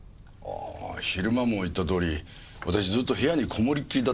ああ昼間も言ったとおり私ずっと部屋にこもりっきりだったもので。